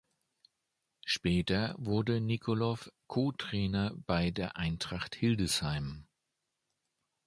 Später wurde Nikolow Co-Trainer bei der Eintracht Hildesheim.